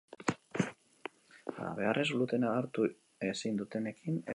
Halabeharrez glutena hartu ezin dutenekin ere izango dira.